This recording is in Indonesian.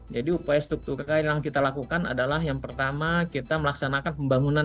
jadi upaya struktural yang kita lakukan adalah yang pertama kita melaksanakan pembangunan bendungan